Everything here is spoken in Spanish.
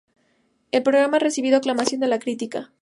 El programa ha recibido aclamación de la crítica.